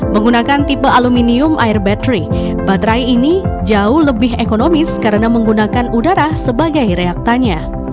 menggunakan tipe aluminium air battery baterai ini jauh lebih ekonomis karena menggunakan udara sebagai reaktanya